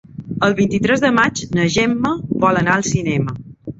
El vint-i-tres de maig na Gemma vol anar al cinema.